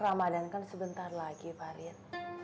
ramadhan kan sebentar lagi farid